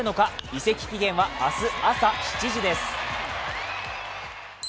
移籍期限は明日朝７時です。